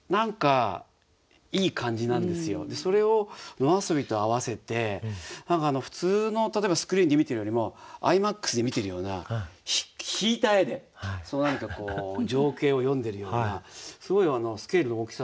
それを「野遊び」と合わせて何か普通の例えばスクリーンで見てるよりもＩＭＡＸで見てるような引いた絵でその何か情景を詠んでるようなすごいスケールの大きさというか